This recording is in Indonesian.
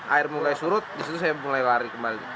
air mulai surut disitu saya mulai lari kembali